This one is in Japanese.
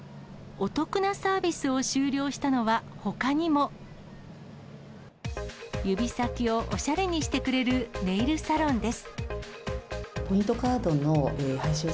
お得なサービスを終了したのは、ほかにも。指先をおしゃれにしてくれるネイルサロンです。